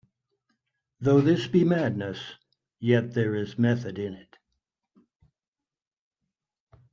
Though this be madness, yet there is method in it